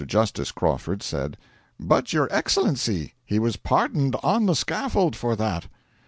Justice Crawford said: 'But, your Excellency, he was pardoned on the scaffold for that.'